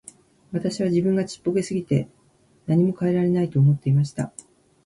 私は自分がちっぽけすぎて何も変えられないと思っていました。